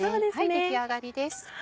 出来上がりです。